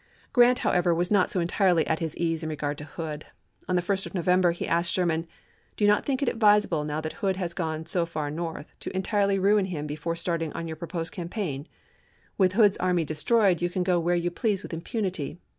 Grant, however, was not so entirely at his ease in regard to Hood. On the 1st of November he asked Sherman, "Do you not think it advisable, now that Hood has gone so far north, to entirely ruin him before starting on your proposed cam paign ? With Hood's army destroyed, you can go where you please with impunity.